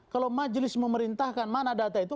kalau majelis memerintahkan mana data itu